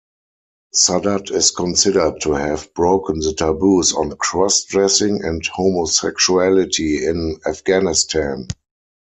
Sadat is considered to have broken the taboos on crossdressing and homosexuality in Afghanistan.